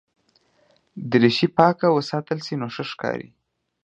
دریشي پاکه وساتل شي نو ښه ښکاري.